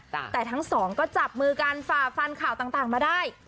แต่ทั้งสองก็จับมือกันฝ่าฟันข่าวต่างมาได้